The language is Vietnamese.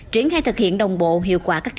triển khai thực hiện đồng bộ hiệu quả